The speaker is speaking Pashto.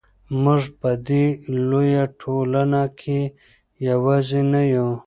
موږ په دې لویه ټولنه کې یوازې نه یو.